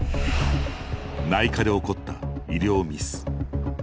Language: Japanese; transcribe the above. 内科で起こった医療ミス。